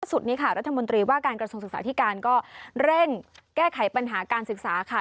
สุดนี้ค่ะรัฐมนตรีว่าการกระทรวงศึกษาธิการก็เร่งแก้ไขปัญหาการศึกษาค่ะ